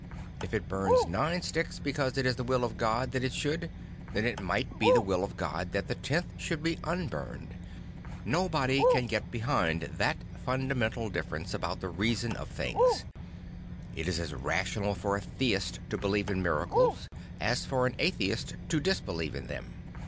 If it burns nine sticks because it is the will of God that it should, then it might be the will of God that the tenth should be unburned. Nobody can get behind that fundamental difference about the reason of things; and it is as rational for a theist to believe in miracles as for an atheist to disbelieve in them.